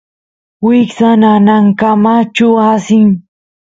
wiksa nanankamachu asin